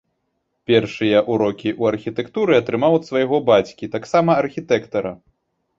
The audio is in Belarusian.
Першыя ўрокі ў архітэктуры атрымаў ад свайго бацькі, таксама архітэктара.